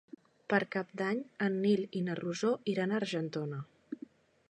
Per Cap d'Any en Nil i na Rosó iran a Argentona.